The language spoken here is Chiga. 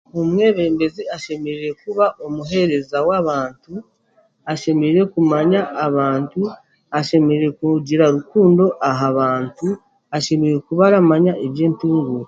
Omwebembezi ashemereire kuba omuheereza w'abantu, ashemereire kumanya abantu, ashemereire kugira rukundo aha bantu, ashemreire kuba aramanya eby'entunguka.